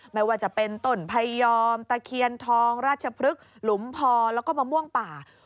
ไม่ว่าจะเป็นต้นไพยอมตะเคียนทองราชพฤกษหลุมพอแล้วก็มะม่วงป่า